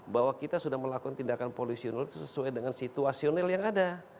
bahwa kita sudah melakukan tindakan polisional sesuai dengan situasional yang ada